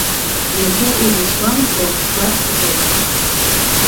Иахьа ирызгәамҭо гәарҭап уаҵәы.